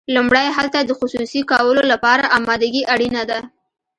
لومړی هلته د خصوصي کولو لپاره امادګي اړینه ده.